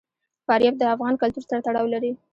فاریاب د افغان کلتور سره تړاو لري.